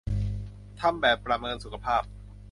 ทำแบบประเมินสุขภาพ